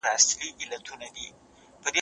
تاسو د ګرمو اوبو په څښلو بوخت یاست.